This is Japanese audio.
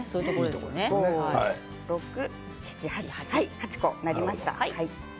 ８個になりました。